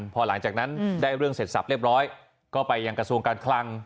พอหลังจากนั้นได้เรื่องเสร็จสับเรียบร้อยก็ไปยังกระทรวงการคลัง